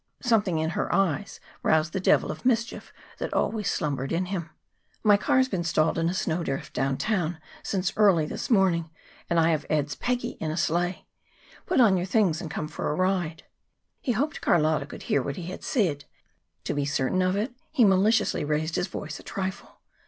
Something in her eyes roused the devil of mischief that always slumbered in him. "My car's been stalled in a snowdrift downtown since early this morning, and I have Ed's Peggy in a sleigh. Put on your things and come for a ride." He hoped Carlotta could hear what he said; to be certain of it, he maliciously raised his voice a trifle.